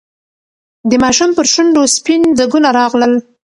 د ماشوم پر شونډو سپین ځگونه راغلل.